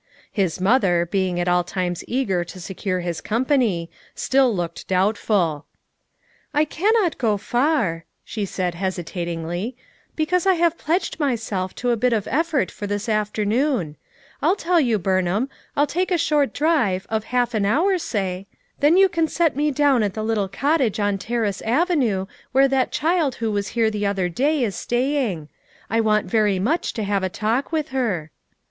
His mother, being at all times eager to secure his company, still looked doubtful. "I cannot go far/ 5 she said hesitatingly, "be cause I have pledged myself to a bit of effort for this afternoon. I'll tell you, Burnham, I'll take a short drive, of half an hour say, then 154 FOUE MOTHERS AT CHAUTAUQUA 155 you can set me down at the little cottage on Terrace Avenue where that child who was here the other day, is staying; I want very much to have a talk with her."